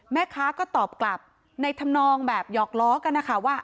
แม่ค้าก็ตอบกลับในธรรมนองแบบหยอกล้อกันนะคะว่า